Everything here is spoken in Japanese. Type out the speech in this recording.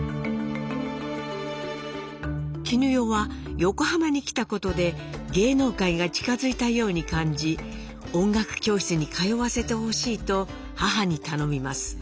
絹代は横浜に来たことで芸能界が近づいたように感じ音楽教室に通わせてほしいと母に頼みます。